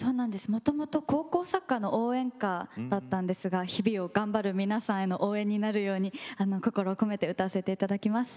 もともと高校サッカーの応援歌だったんですが日々を頑張る皆さんの応援になるように心を込めて歌わせていただきます。